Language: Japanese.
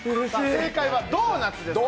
正解はドーナツです。